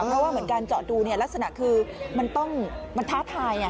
เพราะว่าเหมือนการเจาะดูลักษณะคือมันต้องมันท้าทาย